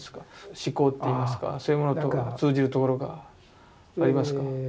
思考っていいますかそういうものが通じるところがありますか？